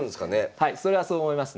はいそれはそう思いますね。